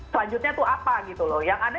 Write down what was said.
selanjutnya itu apa gitu loh yang ada